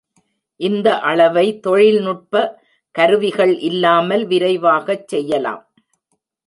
இந்த அளவை தொழில்நுட்ப கருவிகள் இல்லாமல் விரைவாக செய்யலாம்.